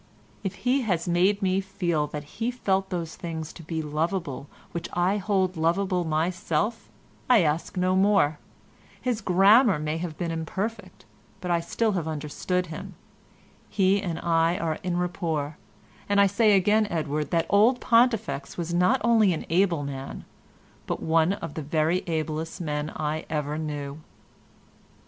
If he has made me feel that he felt those things to be loveable which I hold loveable myself I ask no more; his grammar may have been imperfect, but still I have understood him; he and I are en rapport; and I say again, Edward, that old Pontifex was not only an able man, but one of the very ablest men I ever knew."